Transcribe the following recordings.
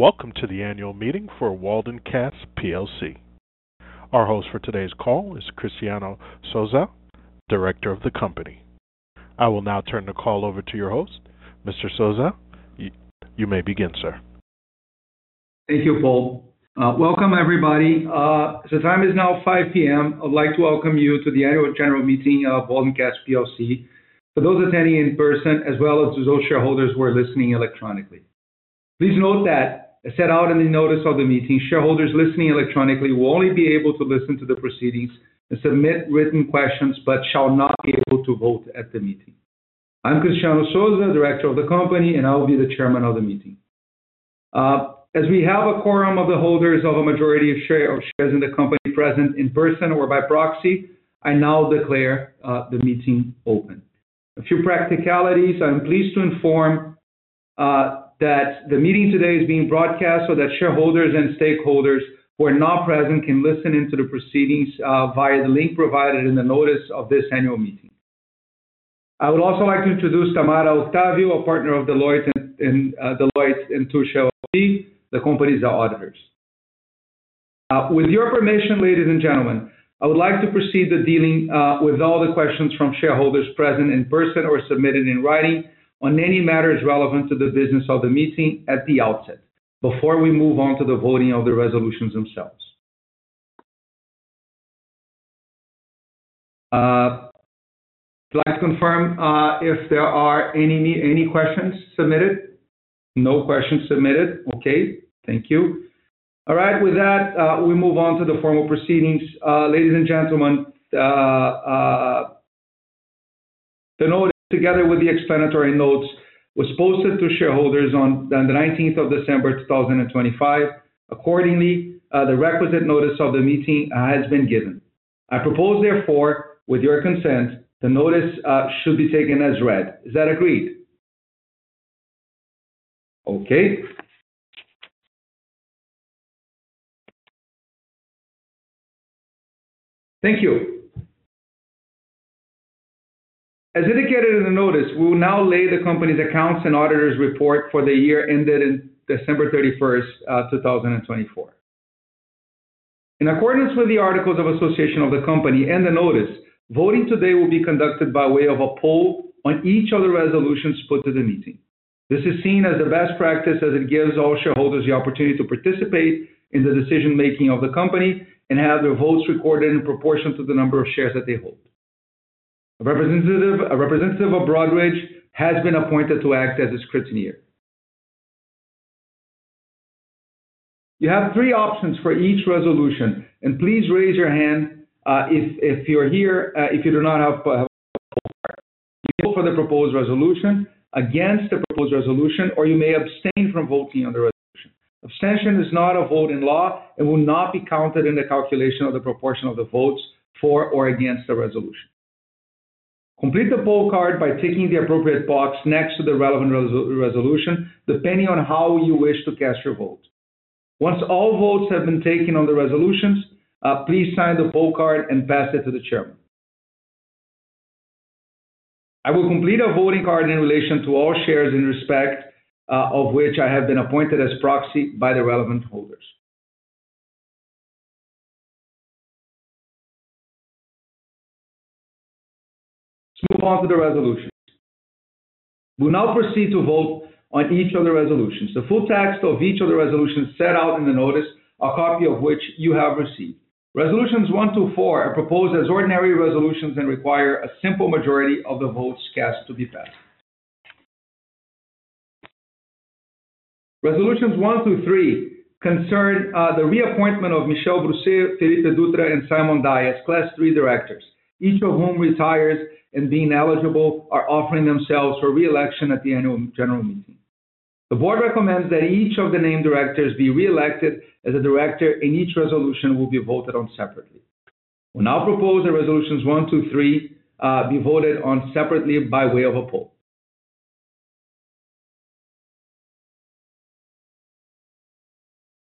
Welcome to the Annual Meeting for Waldencast PLC. Our host for today's call is Cristiano Souza, director of the company. I will now turn the call over to your host, Mr. Souza. You may begin, sir. Thank you, Paul. Welcome, everybody. The time is now 5:00 P.M. I'd like to welcome you to the annual general meeting of Waldencast PLC, for those attending in person, as well as those shareholders who are listening electronically. Please note that, as set out in the notice of the meeting, shareholders listening electronically will only be able to listen to the proceedings and submit written questions, but shall not be able to vote at the meeting. I'm Cristiano Souza, director of the company, and I will be the chairman of the meeting. As we have a quorum of the holders of a majority of shares in the company present in person or by proxy, I now declare the meeting open. A few practicalities. I'm pleased to inform that the meeting today is being broadcast so that shareholders and stakeholders who are not present can listen into the proceedings via the link provided in the notice of this annual meeting. I would also like to introduce Tamara Octavio, a partner of Deloitte & Touche, the company's auditors. With your permission, ladies and gentlemen, I would like to proceed with dealing with all the questions from shareholders present in person or submitted in writing on any matters relevant to the business of the meeting at the outset before we move on to the voting of the resolutions themselves. I'd like to confirm if there are any questions submitted. No questions submitted. Okay. Thank you. All right. With that, we move on to the formal proceedings. Ladies and gentlemen, the notice, together with the explanatory notes, was posted to shareholders on the 19th of December, 2025. Accordingly, the requisite notice of the meeting has been given. I propose, therefore, with your consent, the notice should be taken as read. Is that agreed? Okay. Thank you. As indicated in the notice, we will now lay the company's accounts and auditor's report for the year ended in December 31st, 2024. In accordance with the Articles of Association of the company and the notice, voting today will be conducted by way of a poll on each of the resolutions put to the meeting. This is seen as the best practice as it gives all shareholders the opportunity to participate in the decision-making of the company and have their votes recorded in proportion to the number of shares that they hold. A representative of Broadridge has been appointed to act as a scrutineer. You have three options for each resolution, and please raise your hand if you're here. If you do not have a poll card, you can vote for the proposed resolution, against the proposed resolution, or you may abstain from voting on the resolution. Abstention is not a vote in law and will not be counted in the calculation of the proportion of the votes for or against the resolution. Complete the poll card by ticking the appropriate box next to the relevant resolution, depending on how you wish to cast your vote. Once all votes have been taken on the resolutions, please sign the poll card and pass it to the chairman. I will complete a voting card in relation to all shares in respect of which I have been appointed as proxy by the relevant holders. Let's move on to the resolutions. We'll now proceed to vote on each of the resolutions. The full text of each of the resolutions set out in the notice, a copy of which you have received. Resolutions one through four are proposed as ordinary resolutions and require a simple majority of the votes cast to be passed. Resolutions one through three concern the reappointment of Michel Brousset, Felipe Dutra, and Simon Eyers, Class III Directors, each of whom retires and being eligible, are offering themselves for reelection at the annual general meeting. The board recommends that each of the named directors be reelected as a director, and each resolution will be voted on separately. We'll now propose that resolutions one through three be voted on separately by way of a poll.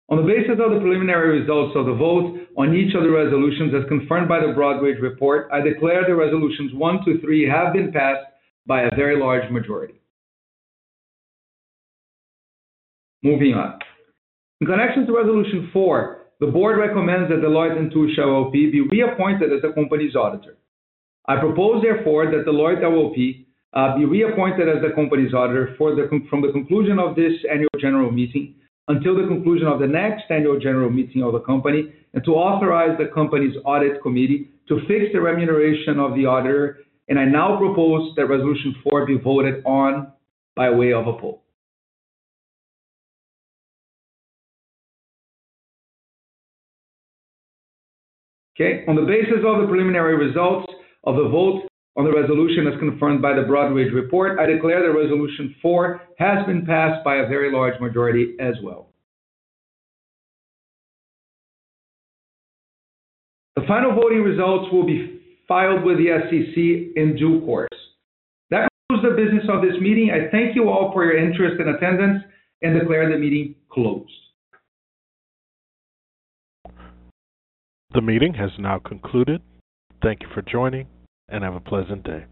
On the basis of the preliminary results of the vote on each of the resolutions, as confirmed by the Broadridge report, I declare the resolutions one through three have been passed by a very large majority. Moving on. In connection to resolution four, the board recommends that Deloitte and Touche be reappointed as the company's auditor. I propose, therefore, that Deloitte and Touche be reappointed as the company's auditor from the conclusion of this annual general meeting until the conclusion of the next annual general meeting of the company and to authorize the company's audit committee to fix the remuneration of the auditor. I now propose that resolution four be voted on by way of a poll. Okay. On the basis of the preliminary results of the vote on the resolution, as confirmed by the Broadridge report, I declare that resolution four has been passed by a very large majority as well. The final voting results will be filed with the SEC in due course. That concludes the business of this meeting. I thank you all for your interest and attendance and declare the meeting closed. The meeting has now concluded. Thank you for joining, and have a pleasant day.